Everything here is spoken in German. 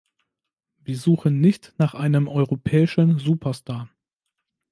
Wir suchen nicht nach einem europäischen Superstar.